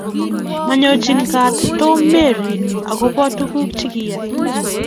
Manyochini gaat Tom mary agoba tuguuk chegiyai